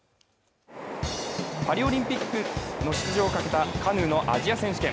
パリオリンピックの出場をかけたカヌーのアジア選手権。